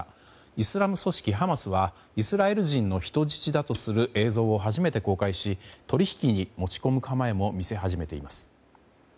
イスラム組織ハマスはイスラエル人の人質だとする映像を初めて公開し取引に持ち込む構えも見せ始めています。